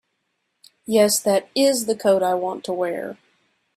Yes, that IS the coat I want to wear.